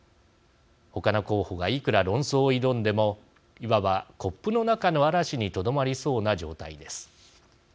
他の候補がいくら論争を挑んでもいわばコップの中の嵐にとどまりそうな状態です。